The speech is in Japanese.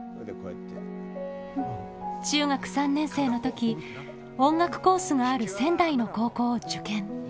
中学３年の時音楽コースがある仙台の高校を受験。